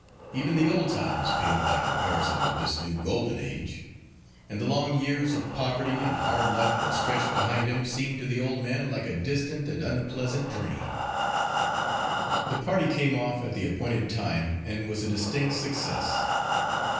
Even the old times paled by comparison with this new golden age; and the long years of poverty and hard luck that stretched behind him seemed to the old man like a distant and unpleasant dream. The party came off at the appointed time, and was a distinct success.